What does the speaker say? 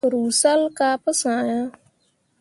Ruu salle kah pu sã ah.